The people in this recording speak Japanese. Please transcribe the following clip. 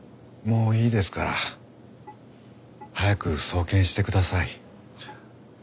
もういいですから早く送検してください。